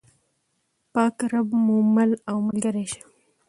پاک رب مو مل او ملګری شه.